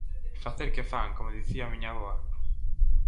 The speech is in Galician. Facer que fan, como dicía a miña avoa.